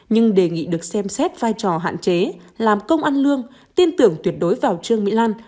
nhưng đề nghị được xem xét vai trò hạn chế làm công ăn lương tin tưởng tuyệt đối vào trương mỹ lan